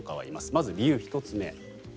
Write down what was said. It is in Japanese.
まず理由１つ目。